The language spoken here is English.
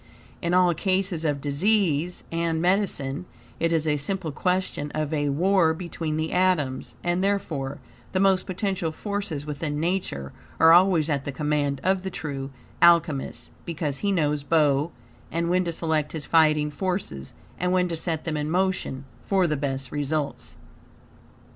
In all cases of disease and medicine, it is a simple question of A WAR BETWEEN THE ATOMS, and, therefore, the most potential forces within Nature are always at the command of the true Alchemist, because he knows bow and when to select his fighting forces, and when to set them in motion, for the best results.